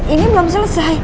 ini belum selesai